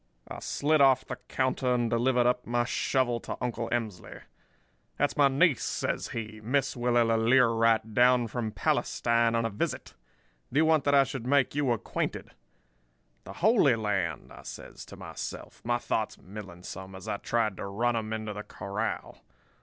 "I slid off the counter and delivered up my shovel to Uncle Emsley. "'That's my niece,' says he; 'Miss Willella Learight, down from Palestine on a visit. Do you want that I should make you acquainted?' "'The Holy Land,' I says to myself, my thoughts milling some as I tried to run 'em into the corral.